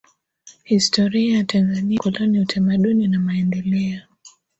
Historia ya Tanzania Ukoloni Utamaduni na Maendeleo